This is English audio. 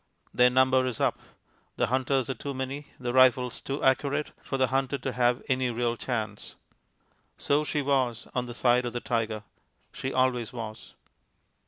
Their number is up. The hunters are too many, the rifles too accurate, for the hunted to have any real chance. So she was on the side of the tiger; she always was.